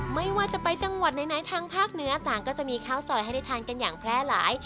ไม่ว่าจะไปจังหวัดไหนทางภาคเหนือต่างก็จะมีข้าวซอยให้ได้ทานกันอย่างแพร่หลาย